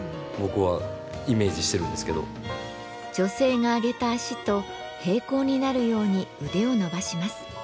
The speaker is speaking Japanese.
女性が上げた脚と並行になるように腕を伸ばします。